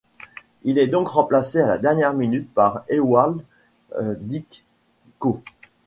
Il est donc remplacé à la dernière minute par Ewald Dytko.